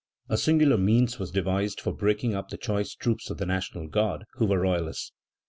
A singular means was devised for breaking up the choice troops of the National Guard, who were royalists.